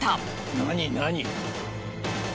何何？